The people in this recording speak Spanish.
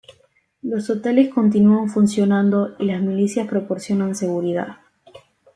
Los hoteles continúan funcionando y las milicias proporcionan seguridad".